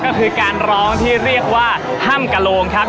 ก็คือการร้องที่เรียกว่าห้ำกระโลงครับ